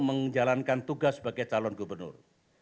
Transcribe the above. menjalankan tugas sebagai calon gubernur